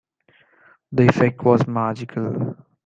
The effect was magical.